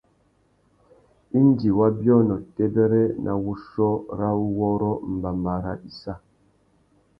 Indi wa biônô têbêrê na wuchiô râ uwôrrô mbama râ issa.